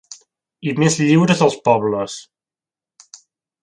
I més lliures els pobles.